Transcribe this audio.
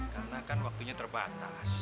karena kan waktunya terbatas